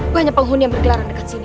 banyak penghuni yang bergelaran dekat sini